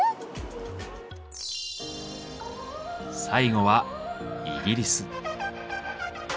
最後はイギリス。